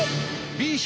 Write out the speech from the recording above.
「ＢＣ」！